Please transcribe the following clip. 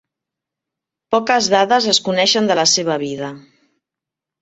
Poques dades es coneixen de la seva vida.